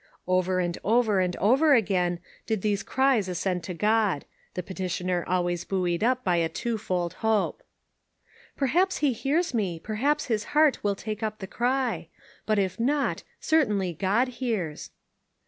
Over and over, and over again, did these cries ascend to God — the petitioner always buoyed up by a twofold hope. "Perhaps he hears me, perhaps his heart will take up the cry; but, if not, certainly God hears."